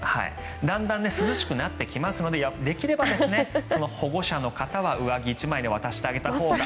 だんだん涼しくなってくるので、できれば保護者の方は上着１枚でも渡してあげたほうが。